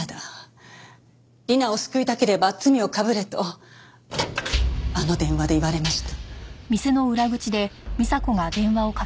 理奈を救いたければ罪をかぶれとあの電話で言われました。